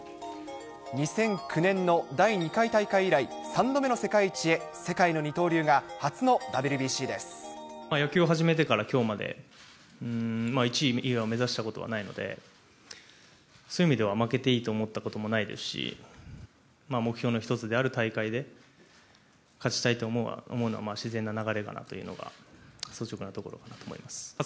２００９年の第２回大会以来、３度目の世界一へ、野球を始めてからきょうまで、１位以外を目指したことはないので、そういう意味では、負けていいと思ったこともないですし、目標の一つである大会で、勝ちたいと思うのは自然な流れかなというのが、率直なところだと思います。